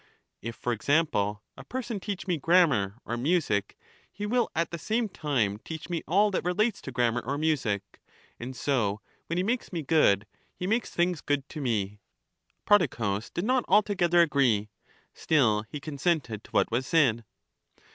If, for example, a person teach 566 Prodicus corrected. Eryxias. me grammar or music, he will at the same time teach me all Socrates. that relates to grammar or music, and so when he makes me good, he makes things good to me. Prodicus did not altogether agree : still he consented to what was said.